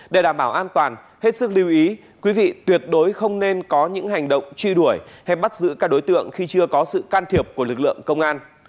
để đảm bảo an toàn hết sức lưu ý quý vị tuyệt đối không nên có những hành động truy đuổi hay bắt giữ các đối tượng khi chưa có sự can thiệp của lực lượng công an